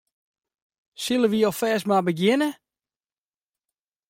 Sille wy ferfêst mar begjinne?